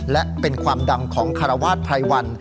และเป็นความดังของฆราวาสภรรยวรรณ